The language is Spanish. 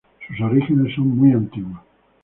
Sus orígenes son muy antiguas.